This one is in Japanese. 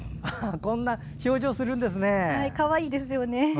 こんな表情するんですね。